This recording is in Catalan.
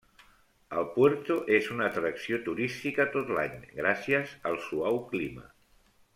El Puerto és una atracció turística tot l'any, gràcies al suau clima.